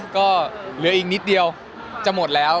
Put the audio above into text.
ก็เหลืออีกนิดเดียวจะหมดแล้ว